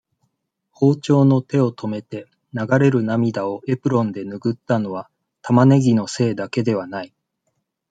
包丁の手を止めて、流れる涙をエプロンでぬぐったのは、タマネギのせいだけではない。